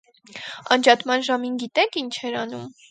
Անջատման ժամին գիտե՞ք ինչ էր անում: